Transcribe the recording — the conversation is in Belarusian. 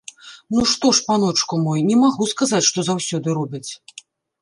Ну што ж, паночку мой, не магу сказаць, што заўсёды робяць.